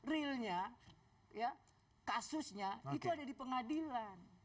realnya kasusnya itu ada di pengadilan